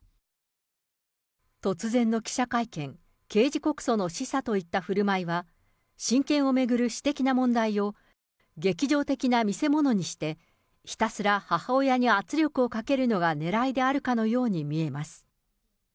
突然の記者会見、刑事告訴の示唆といったふるまいは、親権を巡る私的な問題を、劇場的な見世物にして、ひたすら母親に圧力をかけるのがねらいであるかのように見えます。